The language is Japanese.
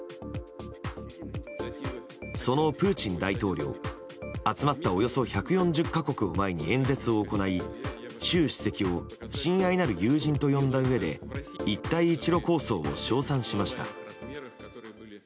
そのプーチン大統領集まったおよそ１４０か国を前に演説を行い習主席を親愛なる友人と呼んだうえで一帯一路構想を称賛しました。